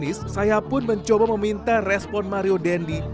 usai ponis saya pun mencoba meminta respon mario dendi